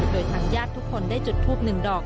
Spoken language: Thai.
โดยทางญาติทุกคนได้จดทูป๑ดอก